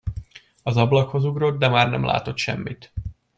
Az ablakhoz ugrott, de már nem látott semmit.